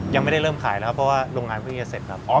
ยังไม่ได้เริ่มขายแล้วครับเพราะว่าโรงงานเพิ่งจะเสร็จครับ